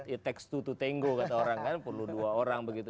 it takes to tango kata orang kan perlu dua orang begitu